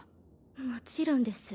もちろんです。